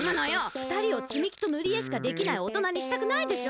ふたりをつみ木とぬり絵しかできないおとなにしたくないでしょ？